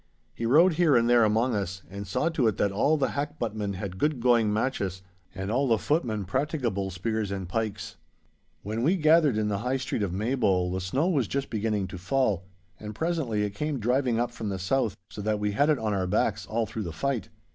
He rode here and there among us, and saw to it that all the hackbuttmen had good going matches, and all the footmen practicable spears and pikes. When we gathered in the High Street of Maybole the snow was just beginning to fall, and presently it came driving up from the south, so that we had it on our backs all through the fight.